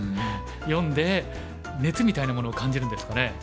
読んで熱みたいなものを感じるんですかね？